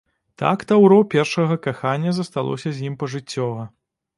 Так таўро першага кахання засталося з ім пажыццёва.